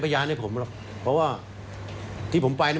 ฟังฟัง